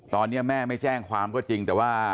ตอนนี้แม่ไม่แจ้งความก็จริงแต่ว่า